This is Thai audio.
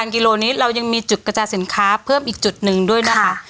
กิโลนี้เรายังมีจุดกระจายสินค้าเพิ่มอีกจุดหนึ่งด้วยนะคะ